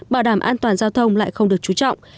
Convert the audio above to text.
bảo đảm an toàn giao thông lại không được trú trọng